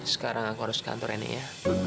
sekarang aku harus kantor ini ya